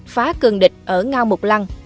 phá cường địch ở ngao mục lăng